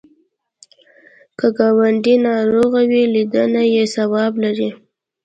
که ګاونډی ناروغ وي، لیدنه یې ثواب لري